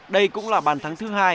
đây cũng là bàn thắng thứ hai